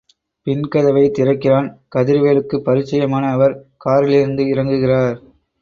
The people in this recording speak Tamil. பின் கதவை திறக்கிறான்... கதிர்வேலுக்கு பரிச்சயமான அவர், காரிலிருந்து இறங்ககிறார்.